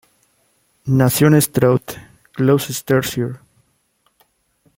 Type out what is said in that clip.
Nació en Stroud, Gloucestershire.